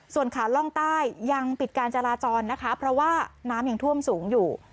ส่วนขาล่องใต้ยังปิดการจราจรนะคะเพราะว่าน้ำยังท่วมสูงอยู่